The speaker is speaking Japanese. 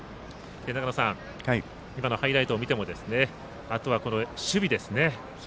今のハイライトを見てもあとは、守備ですね。